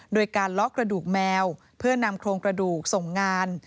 โดยการเลาะกระดูกแมวเพื่อนำโครงกระดูกส่งงาน